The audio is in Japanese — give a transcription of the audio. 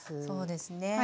そうですね